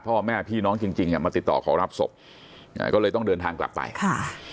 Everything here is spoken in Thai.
พ่อแม่พี่น้องจริงจริงอ่ะมาติดต่อขอรับศพอ่าก็เลยต้องเดินทางกลับไปค่ะ